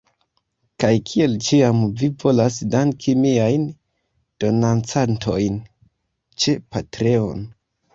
Kaj kiel ĉiam mi volas danki miajn donancantojn ĉe Patreon.